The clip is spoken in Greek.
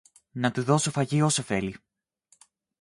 Να του δώσω φαγί όσο θέλει